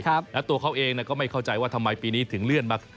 แล้วตัวเขาเองก็ไม่เข้าใจว่าทำไมปีนี้ถึงเลื่อนมา